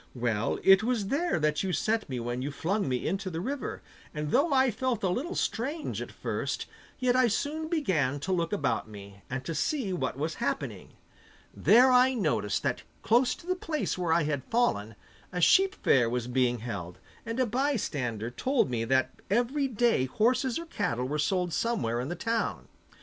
Well, it was there that you sent me when you flung me into the river, and though I felt a little strange at first, yet I soon began to look about me, and to see what was happening. There I noticed that close to the place where I had fallen, a sheep fair was being held, and a bystander told me that every day horses or cattle were sold somewhere in the town.